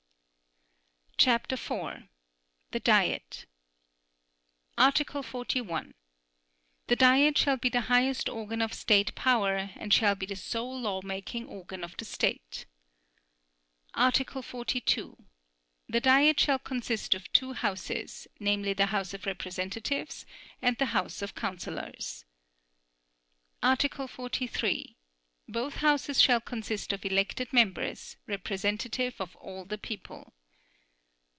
CHAPTER IV. THE DIET Article 41. The Diet shall be the highest organ of state power, and shall be the sole law making organ of the State. Article 42. The Diet shall consist of two Houses, namely the House of Representatives and the House of Councillors. Article 43. Both Houses shall consist of elected members, representative of all the people.